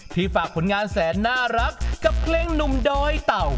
ฝากผลงานแสนน่ารักกับเพลงหนุ่มดอยเต่า